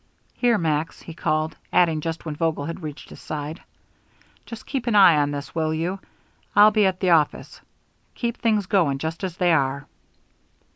"Here, Max," he called, adding, when Vogel had reached his side: "Just keep an eye on this, will you? I'll be at the office. Keep things going just as they are."